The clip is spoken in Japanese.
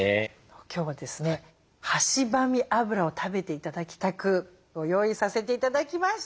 今日はですねはしばみ油を食べて頂きたくご用意させて頂きました。